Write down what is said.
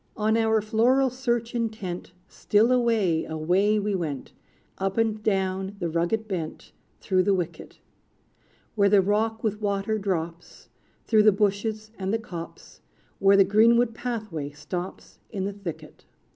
On our floral search intent, Still away, away we went, Up and down the rugged bent, Through the wicket, Where the rock with water drops, Through the bushes and the copse, Where the greenwood pathway stops In the thicket.